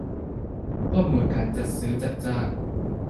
ข้อมูลการจัดซื้อจัดจ้าง